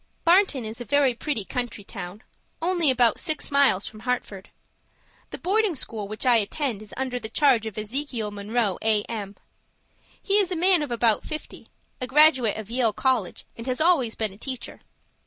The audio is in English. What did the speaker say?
Barnton is a very pretty country town, only about six miles from Hartford. The boarding school which I attend is under the charge of Ezekiel Munroe, A.M. He is a man of about fifty, a graduate of Yale College, and has always been a teacher.